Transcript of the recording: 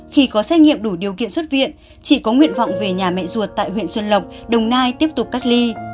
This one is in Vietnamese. khi có xét nghiệm đủ điều kiện xuất viện chị có nguyện vọng về nhà mẹ ruột tại huyện xuân lộc đồng nai tiếp tục cách ly